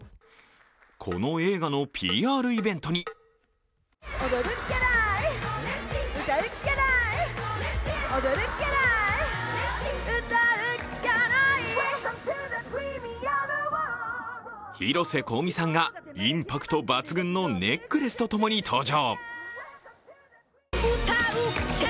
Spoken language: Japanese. この映画のＰＲイベントに広瀬香美さんがインパクト抜群のネックレスと共に登場。